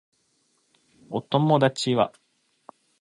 お友達は